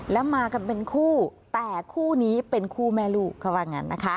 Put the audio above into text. แล้วมากันเป็นคู่แต่คู่นี้เป็นคู่แม่ลูกเขาว่างั้นนะคะ